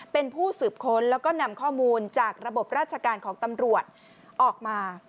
เป็นผู้สืบค้นแล้วก็นำข้อมูลจากระบบราชการของตำรวจออกมา